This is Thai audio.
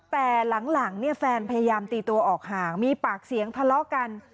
แต่หลังเนี่ยแฟนพยายามตีตัวออกห่างมีปากเสียงทะเลาะกัน